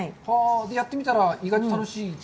やってみたら、意外と楽しいと？